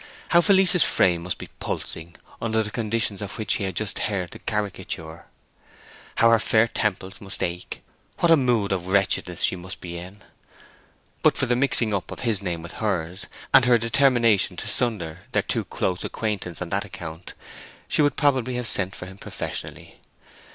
How Felice's frame must be pulsing under the conditions of which he had just heard the caricature; how her fair temples must ache; what a mood of wretchedness she must be in! But for the mixing up of his name with hers, and her determination to sunder their too close acquaintance on that account, she would probably have sent for him professionally.